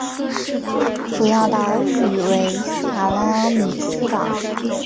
主要岛屿为萨拉米斯岛。